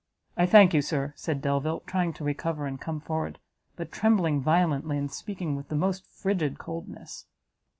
"I thank you, Sir!" said Delvile, trying to recover and come forward, but trembling violently, and speaking with the most frigid coldness.